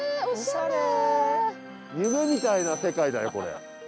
夢みたいな世界だよこれ。